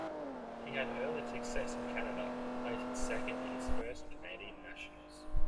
He had early success in Canada, placing second in his first Canadian nationals.